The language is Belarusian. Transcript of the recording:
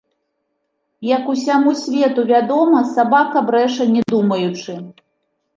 Як усяму свету вядома, сабака брэша не думаючы.